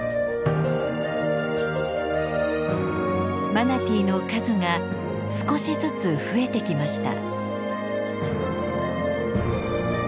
マナティーの数が少しずつ増えてきました。